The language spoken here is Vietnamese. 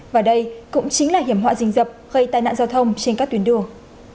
và đây cũng chính là hiểm họa dình dập gây tai nạn giao thông trên các tuyến đường